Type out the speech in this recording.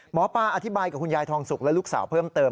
หมอปลาอธิบายกับคุณยายทองสุกและลูกสาวเพิ่มเติม